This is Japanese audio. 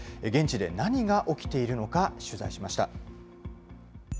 現地で何が起きているのか、取材しました。